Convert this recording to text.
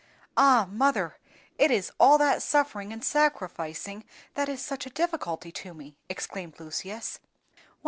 "Ah! mother, it is all that suffering and sacrificing that is such a difficulty to me!" exclaimed Lucius.